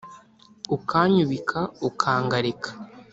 ukanyubika ukangarika